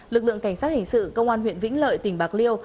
lực lượng cảnh sát hình sự công an huyện vĩnh lợi tỉnh bạc liêu